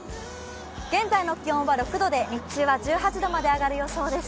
現在の気温は６度で日中は１８度まで上がる予想です。